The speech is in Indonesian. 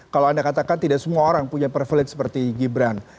kalau anda katakan tidak semua orang punya privilege seperti gibran